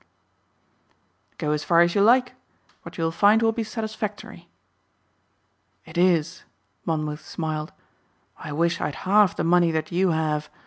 "Go as far as you like. What you will find will be satisfactory." "It is," Monmouth smiled. "I wish I had half the money that you have.